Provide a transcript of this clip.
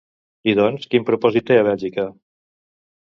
I doncs, quin propòsit té a Bèlgica?